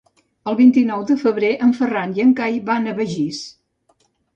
El vint-i-nou de febrer en Ferran i en Cai van a Begís.